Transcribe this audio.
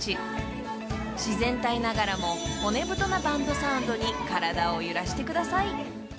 ［自然体ながらも骨太なバンドサウンドに体を揺らしてください］